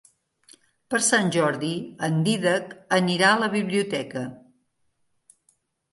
Per Sant Jordi en Dídac anirà a la biblioteca.